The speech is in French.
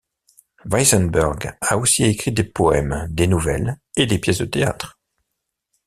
Weizenberg a aussi écrit des poèmes, des nouvelles et des pièces de théâtre.